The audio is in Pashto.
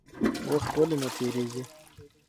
وخت ولې نه تېرېږي؟